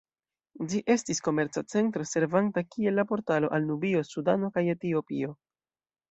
Ĝi estis komerca centro, servanta kiel la portalo al Nubio, Sudano kaj Etiopio.